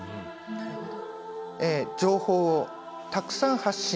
なるほど。